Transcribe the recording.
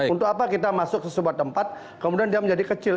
untuk apa kita masuk ke sebuah tempat kemudian dia menjadi kecil